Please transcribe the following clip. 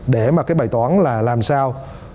để mà cái bài toán là làm sao